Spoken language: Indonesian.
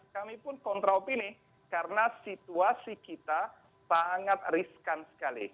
kami pun kontra opini karena situasi kita sangat riskan sekali